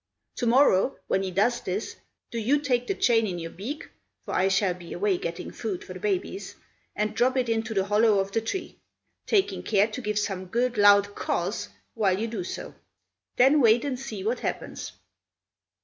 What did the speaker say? To morrow, when he does this, do you take the chain in your beak (for I shall be away getting food for the babies), and drop it into the hollow of the tree, taking care to give some good loud 'Caws' while you do so. Then wait and see what happens!"